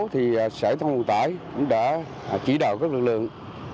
thì sở thông vận tải cũng đã chỉ đạo các lực lượng